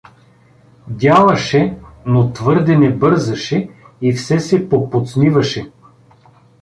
Дялаше, но твърде не бързаше и все се поподсмиваше.